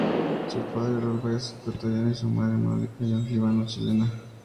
Su padre, Raúl Báez es ecuatoriano y su madre Mónica Jalil Pons líbano-chilena.